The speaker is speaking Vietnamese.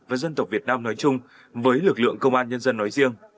và dân tộc việt nam nói chung với lực lượng công an nhân dân nói riêng